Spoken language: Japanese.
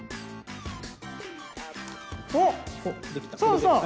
そうそう！